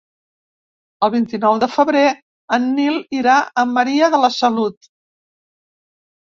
El vint-i-nou de febrer en Nil irà a Maria de la Salut.